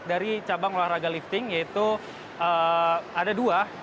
dari cabang luar raga lifting yaitu ada dua